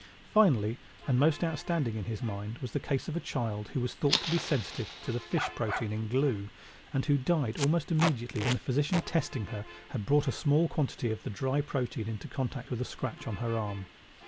Finally, and most outstanding in his mind, was the case of a child who was thought to be sensitive to the fish protein in glue and who died almost immediately when the physician testing her had brought a small quantity of the dry protein into contact with a scratch on her arm.